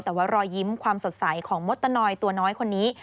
แต่ว่ารอยยิ้มความสดใสของมดตะนอยตัวน้อยคนนี้